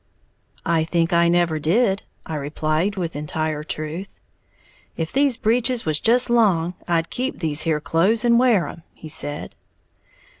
'"] "I think I never did," I replied with entire truth. "If these breeches was just long, I'd keep these here clothes and wear 'em," he said.